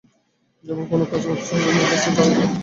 যেমন কোন কোন অজ্ঞ মুফাসসির ধারণা করেছেন।